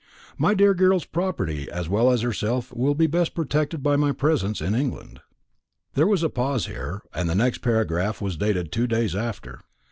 My dear girl's property, as well as herself, will be best protected by my presence in England." There was a pause here, and the next paragraph was dated two days after.